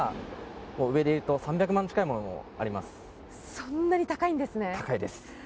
そんな高いんですね。